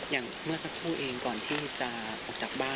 อย่างเมื่อสักครู่เองก่อนที่จะออกจากบ้าน